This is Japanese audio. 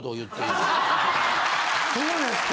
そうですか？